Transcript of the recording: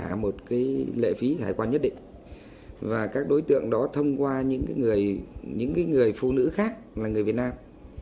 trả một cái lệ phí hải quan nhất định và các đối tượng đó thông qua những cái người những cái người phụ nữ khác là người việt nam